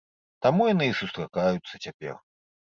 Таму яны і сустракаюцца цяпер.